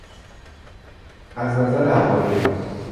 از نظر اخلاقی